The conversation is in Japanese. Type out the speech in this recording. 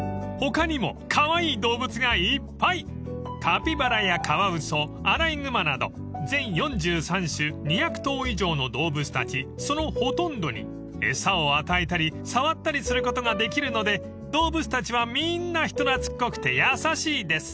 ［カピバラやカワウソアライグマなど全４３種２００頭以上の動物たちそのほとんどに餌を与えたり触ったりすることができるので動物たちはみんな人懐っこくて優しいです］